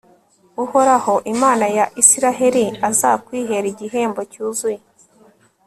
uhoraho imana ya israheli azakwihere igihembo cyuzuye